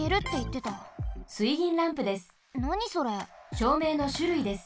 しょうめいのしゅるいです。